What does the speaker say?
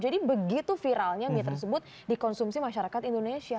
jadi begitu viralnya mie tersebut dikonsumsi masyarakat indonesia